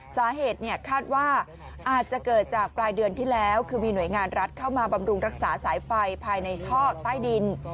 สาเหตุคาดว่าอาจจะเกิดจากปลายเดือนที่แล้วคือมีหน่วยงานรัฐเข้ามาบำรุงรักษาสายไฟภายในท่อใต้ดิน